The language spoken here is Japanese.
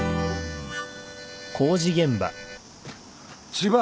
千葉